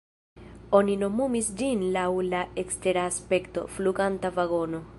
Oni nomumis ĝin laŭ la ekstera aspekto „fluganta vagono”.